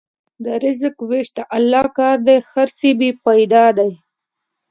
د رزق وېش د الله کار دی، حرص بېفایده دی.